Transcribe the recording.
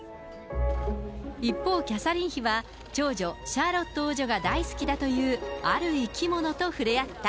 一方、キャサリン妃は、長女、シャーロット王女が大好きだというある生き物と触れ合った。